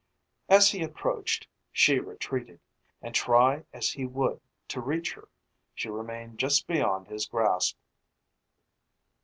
As he approached she retreated and, try as he would to reach her, she remained just beyond his grasp.